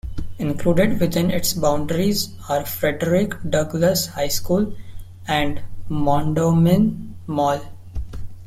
Included within its boundaries are Frederick Douglass High School, and Mondawmin Mall.